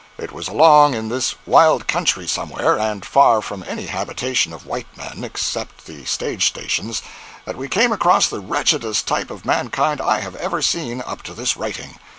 It was along in this wild country somewhere, and far from any habitation of white men, except the stage stations, that we came across the wretchedest type of mankind I have ever seen, up to this writing.